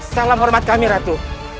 salam hormat kami ratu